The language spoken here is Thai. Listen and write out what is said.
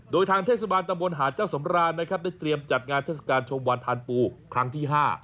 โดยทางเทศบาลตำบลหาดเจ้าสำราญนะครับได้เตรียมจัดงานเทศกาลชมวันทานปูครั้งที่๕